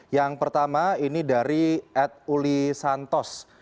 yang pertama ini dari ad uli santos